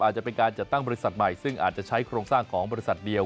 อาจจะเป็นการจัดตั้งบริษัทใหม่ซึ่งอาจจะใช้โครงสร้างของบริษัทเดียว